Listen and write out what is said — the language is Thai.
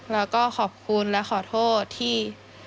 แล้วก็ขอบคุณและขอโทษที่